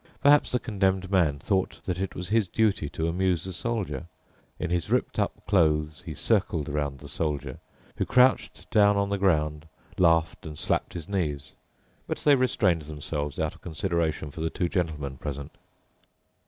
Perhaps the Condemned Man thought that it was his duty to amuse the Soldier. In his ripped up clothes he circled around the Soldier, who crouched down on the ground, laughed, and slapped his knees. But they restrained themselves out of consideration for the two gentlemen present.